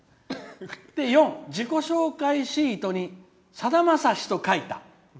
４、自己紹介シートにさだまさしと書いた。